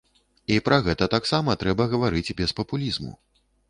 І пра гэта таксама трэба гаварыць без папулізму.